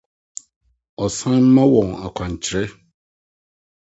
Ɔsane ma wɔn akwankyerɛ